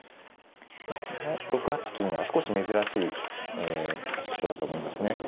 この６八金は少し珍しい指し方だと思いますね。